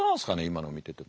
今の見てて。